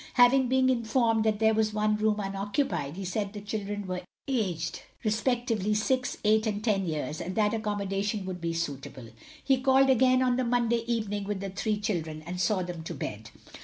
Having been informed that there was one room unoccupied, he said the children were aged respectively six, eight, and ten years, and that accommodation would be suitable. He called again on the Monday evening with the three children, and saw them to bed.